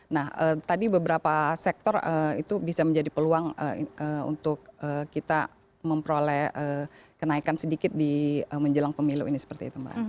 nah tadi beberapa sektor itu bisa menjadi peluang untuk kita memperoleh kenaikan sedikit di menjelang pemilu ini seperti itu mbak